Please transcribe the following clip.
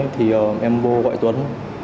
thì em vô gọi tuấn